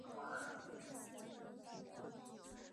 沙恩施泰因是奥地利上奥地利州格蒙登县的一个市镇。